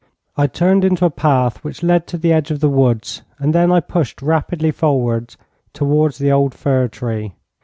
I turned into a path, which led to the edge of the woods, and then I pushed rapidly forward towards the old fir tree.